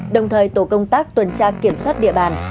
đồng thời tổ công tác tuần tra kiểm soát địa bàn